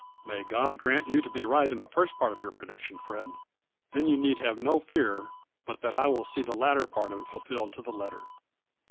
" May God grant you to be right in the first part of your prediction, Fred. Then you need have no fear but that I will see the latter part of it fulfilled to the letter."